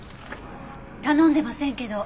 頼んでませんけど。